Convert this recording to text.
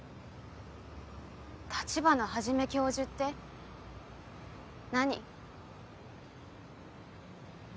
立花始教授って何？